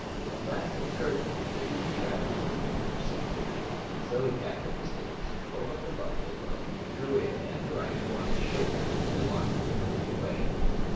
At last it occurred to Dick that he would try the experiment of forsaking him. So he packed up his things, rolled up the buffalo robe, threw it and the rifle on his shoulder, and walked deliberately away.